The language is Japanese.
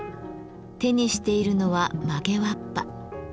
手にしているのは曲げわっぱ。